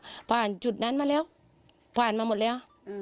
ผ่านจุดนั้นมาแล้วผ่านมาหมดแล้ว